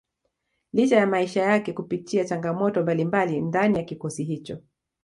licha ya maisha yake kupitia changamoto mbalimbali ndani ya kikosi hicho